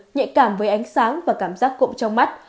nhạy cảm với ánh sáng và cảm giác cụm trong mắt